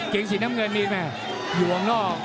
เกงสีน้ำเงินมีไหมอยู่ออกนอก